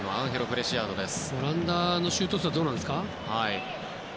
オランダのシュート数はどうですか？